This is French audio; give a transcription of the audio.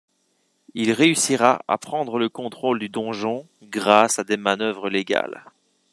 Il réussira à prendre le contrôle du Donjon grâce à des manœuvres légales.